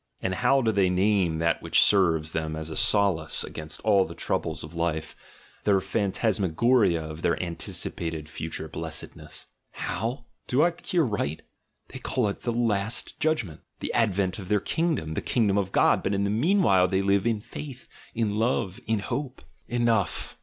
And how do they name that which serves them as a solace against all the troubles of life — their phantasma goria of their anticipated future blessedness? "How? Do I hear right? They call it 'the last judg ment,' the advent of their kingdom, 'the kingdom of God' — but in the meanwhile they live 'in faith,' 'in love,' 'in hope.' " Enough